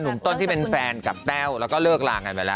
หนุ่มต้นที่เป็นแฟนกับแต้วแล้วก็เลิกลากันไปแล้ว